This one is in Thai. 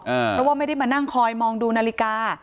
เพราะว่าไม่ได้มานั่งคอยมองดูนาฬิกา